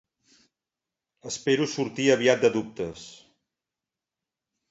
Espero sortir aviat de dubtes.